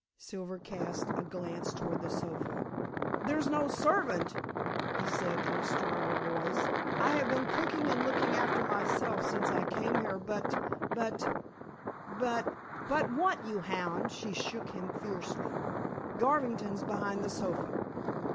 Silver cast a glance towards the sofa. "There's no servant," he said in a stronger voice. "I have been cooking and looking after myself since I came here. But but but " "But what, you hound?" she shook him fiercely. "Garvington's behind the sofa."